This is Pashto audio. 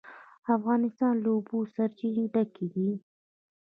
افغانستان له د اوبو سرچینې ډک دی.